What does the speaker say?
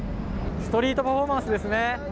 ストリートパフォーマンスですね。